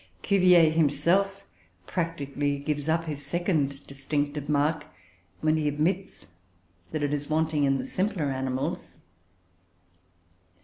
Cuvier himself practically gives up his second distinctive mark when he admits that it is wanting in the simpler animals.